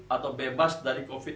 atau bebas dari covid sembilan belas